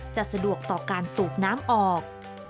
จะสะดวกต่อการสูบน้ำออก